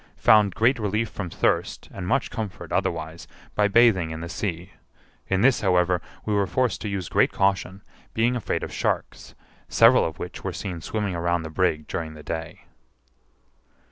Found great relief from thirst, and much comfort otherwise, by bathing in the sea; in this, however, we were forced to use great caution, being afraid of sharks, several of which were seen swimming around the brig during the day.